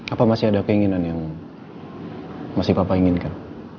apa masih ada keinginan yang masih papa inginkan